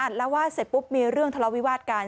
แล้ววาดเสร็จปุ๊บมีเรื่องทะเลาวิวาสกัน